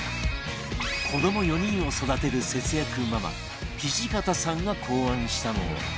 子ども４人を育てる節約ママ土方さんが考案したのは